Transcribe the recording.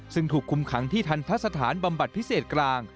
ซึ่งถูกคุมขังที่ทันทะสถานบำบัดพิเศษกลาง